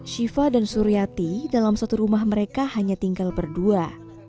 syifa dan suryati dalam satu rumah mereka hanya tinggal berdua